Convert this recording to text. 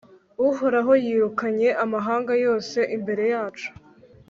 uhoraho yirukanye amahanga yose imbere yacu